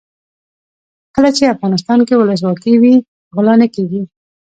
کله چې افغانستان کې ولسواکي وي غلا نه کیږي.